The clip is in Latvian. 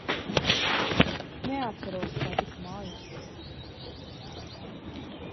Neatceros, kā tiku mājās.